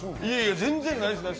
全然ないです。